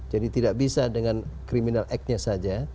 jadi tidak bisa dengan criminal act nya saja